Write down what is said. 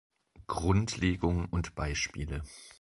Grundlegung und Beispiele".